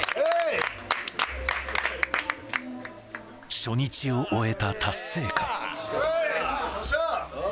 初日を終えた達成感。